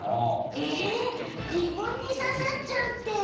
ええ自分にささっちゃうって。